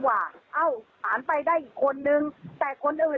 ผลจงไม่ยินดีด้วย